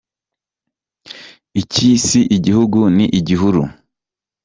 Iki si igihugu ni igihuru» !